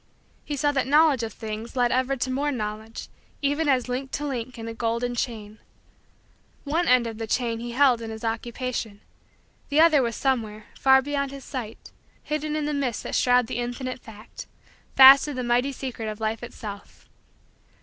He saw that knowledge of things led ever to more knowledge, even as link to link in a golden chain. One end of the chain he held in his Occupation; the other was somewhere, far beyond his sight, hidden in the mists that shroud the Infinite Fact, fast to the mighty secret of Life itself.